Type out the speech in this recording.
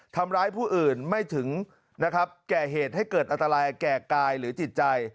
ทำร้ายผู้อื่นไม่ถึงนะครับแก่เหตุให้เกิดอันตรายแก่กายหรือจิตใจ